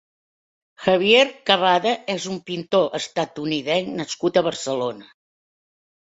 Javier Cabada és un pintor estatunidenc nascut a Barcelona.